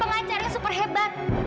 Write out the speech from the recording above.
pengacara yang super hebat